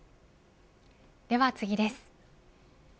では次です。